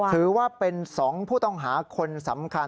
ถือว่าเป็น๒ผู้ต้องหาคนสำคัญ